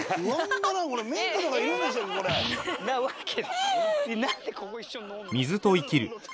んなわけ。